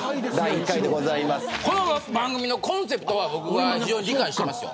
この番組のコンセプトは僕は、非常に理解してますよ。